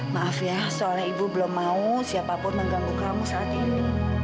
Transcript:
maaf ya soalnya ibu belum mau siapapun mengganggu kamu saat ini